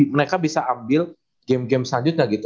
mereka bisa ambil game game selanjutnya gitu